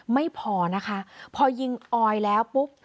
ไม่พอนะคะพอยิงออยแล้วปุ๊บ